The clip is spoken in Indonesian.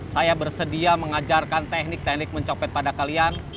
saya bersedia mengajarkan teknik teknik mencopet pada kalian